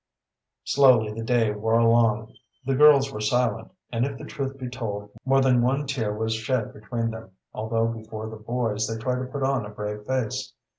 Slowly the day wore along. The girls were silent, and if the truth be told more than one tear was shed between them, although before the boys they tried to put on a brave face.